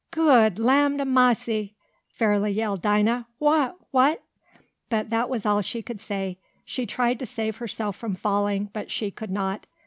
"Good land ob massy!" fairly yelled Dinah. "Wha wha " But that was all she could say. She tried to save herself from falling, but she could not.